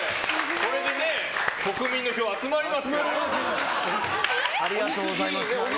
これで国民の票、集まりますよ！